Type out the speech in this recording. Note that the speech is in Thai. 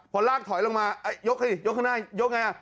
พอลากถอยลงมายกข้างหน้ายกไง